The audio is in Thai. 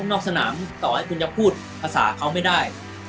นอกสนามต่อให้คุณจะพูดภาษาเขาไม่ได้